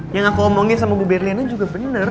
yang aku omongin sama bu berliana juga bener